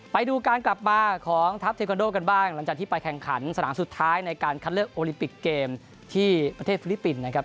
ไปดูการกลับมาของทัพเทควันโดกันบ้างหลังจากที่ไปแข่งขันสนามสุดท้ายในการคัดเลือกโอลิมปิกเกมที่ประเทศฟิลิปปินส์นะครับ